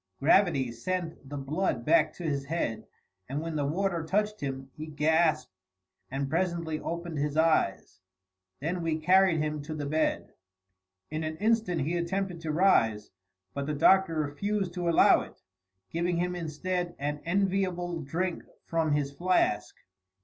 Gravity sent the blood back to his head, and when the water touched him, he gasped and presently opened his eyes. Then we carried him to the bed. In an instant he attempted to rise, but the Doctor refused to allow it, giving him instead an enviable drink from his flask.